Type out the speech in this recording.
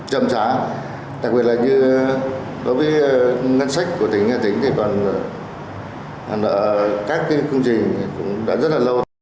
trầm trá đặc biệt là như đối với ngân sách của tỉnh hà tĩnh thì còn nợ các cái công trình cũng đã rất là lâu